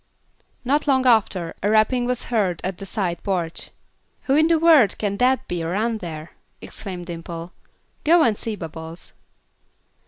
Not long after, a rapping was heard at the side porch. "Who in the world can that be around there!" exclaimed Dimple. "Go and see, Bubbles."